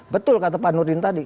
betul kata pak nurdin tadi